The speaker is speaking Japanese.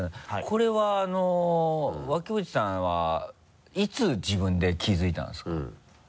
これは脇淵さんはいつ自分で気づいたんですか？